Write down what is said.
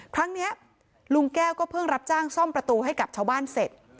ครั้งนี้ลุงแก้วก็เพิ่งรับจ้างซ่อมประตูให้กับชาวบ้านเสร็จ